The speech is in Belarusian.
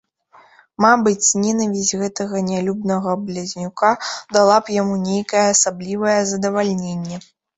Мабыць, нянавісць гэтага нялюбага блазнюка дала б яму нейкае асаблівае задавальненне.